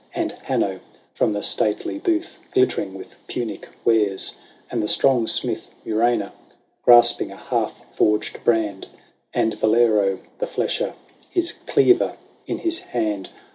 And Hanno from the stately booth glittering with Punic wares. And the strong smith Mursena, grasping a half forged brand. And Yolero the flesher, his cleaver in his hand.